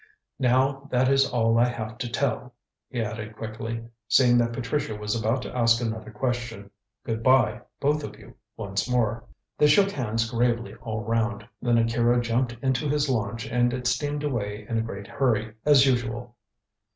Now that is all I have to tell," he added quickly, seeing that Patricia was about to ask another question. "Good bye, both of you, once more." They shook hands gravely all round, then Akira jumped into his launch and it steamed away in a great hurry, as usual.